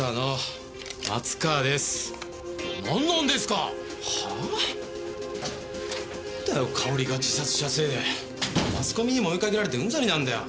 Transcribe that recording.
かおりが自殺したせいでマスコミにも追いかけられてうんざりなんだよ。